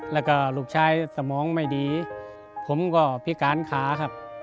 แล้วก็ลูกชายสมองไม่ดีผมก็พิการขาครับ